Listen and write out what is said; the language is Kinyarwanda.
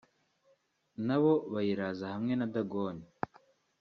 na bo bayiraza hamwe na dagoni